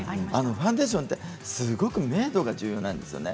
ファンデーションってすごい明度が重要なんですよね